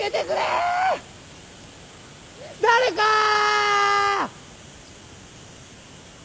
誰かぁー！！